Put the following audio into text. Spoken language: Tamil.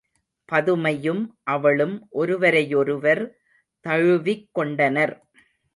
பதுமையும் அவளும் ஒருவரை யொருவர் தழுவிக் கொண்டனர்.